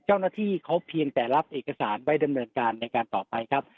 เจ้าหน้าที่เขาเพียงแต่รับเอกสารไว้ดำเนินการในการต่อไปครับ